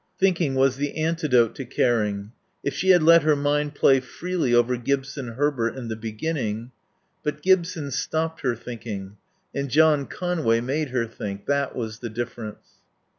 Thinking was the antidote to caring. If she had let her mind play freely over Gibson Herbert in the beginning But Gibson stopped her thinking, and John Conway made her think. That was the difference.